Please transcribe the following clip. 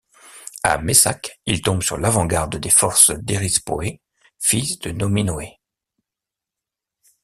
À Messac, il tombe sur l'avant-garde des forces d'Erispoë, fils de Nominoë.